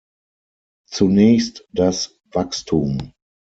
Zunächst das Wachstum.